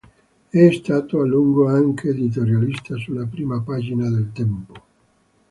È stato a lungo anche editorialista sulla prima pagina del Tempo.